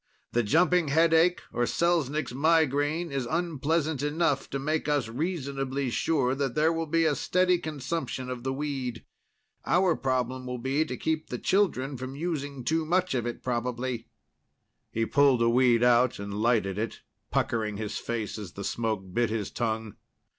The jumping headache, or Selznick's migraine, is unpleasant enough to make us reasonably sure that there will be a steady consumption of the weed. Our problem will be to keep the children from using too much of it, probably." He pulled a weed out and lighted it, puckering his face as the smoke bit his tongue.